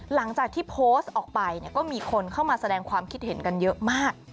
หลังจากที่โพสต์ออกไปก็มีคนเข้ามาแสดงความคิดเห็นกันเยอะมาก